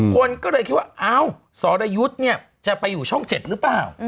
คนก็เลยคิดว่าอ้าวสรยุทธ์เนี่ยจะไปอยู่ช่อง๗หรือเปล่า